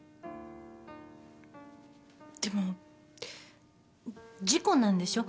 でも事故なんでしょ？